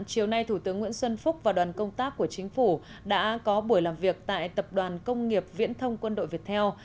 chiều nay thủ tướng nguyễn xuân phúc và đoàn công tác của chính phủ đã có buổi làm việc tại tập đoàn công nghiệp viễn thông quân đội việt theo